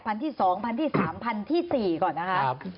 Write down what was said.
พันธุ์ที่สองพันธุ์ที่สามพันธุ์ที่สี่ก่อนนะคะ